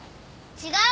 違う。